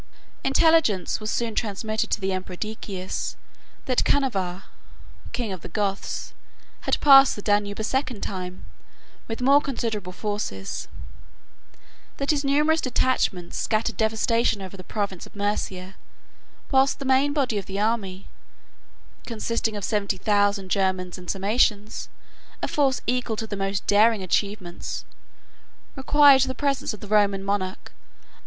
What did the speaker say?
Intelligence was soon transmitted to the emperor Decius, that Cniva, king of the Goths, had passed the Danube a second time, with more considerable forces; that his numerous detachments scattered devastation over the province of Mæsia, whilst the main body of the army, consisting of seventy thousand Germans and Sarmatians, a force equal to the most daring achievements, required the presence of the Roman monarch, and the exertion of his military power.